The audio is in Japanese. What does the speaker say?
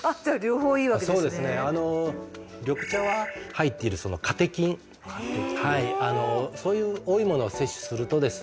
そうですね緑茶は入っているカテキンはいそういう多いものを摂取するとですね